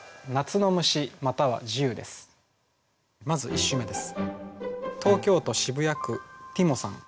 まず１首目です。